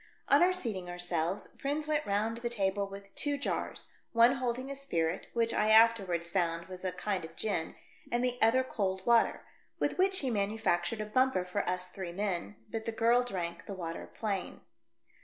On our seating ourselves, Prins went round the table with two jars — one holding a spirit, which I afterwards found was a kind of gin, and the other cold water, with which he manufactured a bumper for us three men, but the girl drank the water plain.